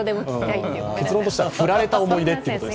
結論としては振られた思い出という。